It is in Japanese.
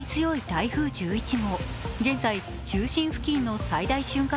非常に強い台風１１号、現在、中心付近の最大瞬間